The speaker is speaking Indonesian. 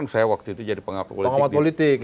saya waktu itu jadi pengawat politik